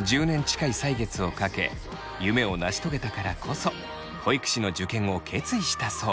１０年近い歳月をかけ夢を成し遂げたからこそ保育士の受験を決意したそう。